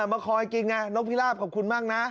มาคอยกินไงนกพิราบขอบคุณมากนะ